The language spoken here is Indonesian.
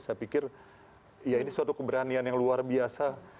saya pikir ya ini suatu keberanian yang luar biasa